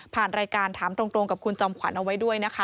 ผ่านรายการถามตรงกับคุณจอมขวัญเอาไว้ด้วยนะคะ